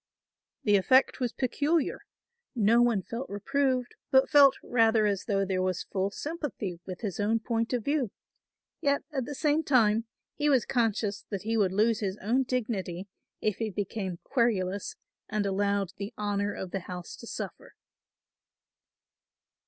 The effect was peculiar; no one felt reproved, but felt rather as though there was full sympathy with his own point of view; yet at the same time he was conscious that he would lose his own dignity if he became querulous and allowed the honour of the house to suffer.